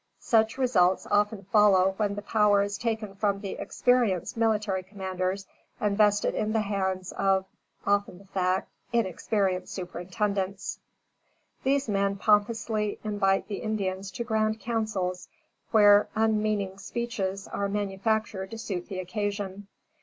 Such results often follow when the power is taken from the experienced military commanders, and vested in the hands of (often the fact) inexperienced superintendents. These men pompously invite the Indians to grand councils, where unmeaning speeches are manufactured to suit the occasion.